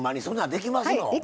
できます。